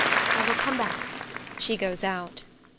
I will come back. [She goes out].